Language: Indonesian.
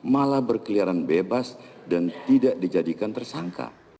malah berkeliaran bebas dan tidak dijadikan tersangka